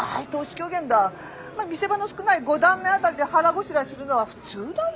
ま見せ場の少ない五段目辺りで腹ごしらえするのは普通だよ。